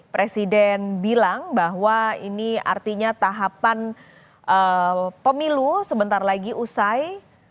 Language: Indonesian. presiden bilang bahwa ini artinya tahapan pemilu sebentar lagi usai